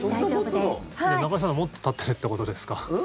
中居さんのはもっとたってるってことですか？